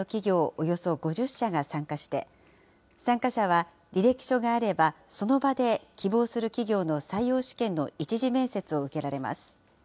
およそ５０社が参加して、参加者は履歴書があれば、その場で希望する企業の採用試験の一次面接を受けられます。